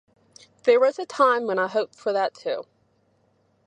There was a time when I had hoped for that too.